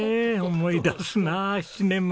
思い出すなあ７年前。